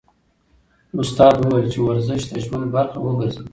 استاد وویل چې ورزش د ژوند برخه وګرځوئ.